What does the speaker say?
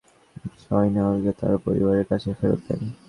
তিনি দেড় লাখ টাকা জরিমানা করে জয়নালকে তাঁর পরিবারের কাছে ফেরত দেন।